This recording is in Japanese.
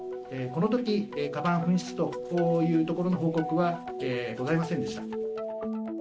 このとき、かばん紛失というところの報告はございませんでした。